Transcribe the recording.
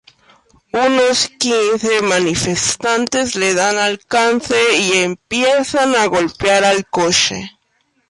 Unos quince manifestantes le dan alcance y empiezan a golpear el coche.